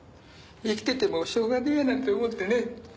生きててもしようがねえやなんて思ってね。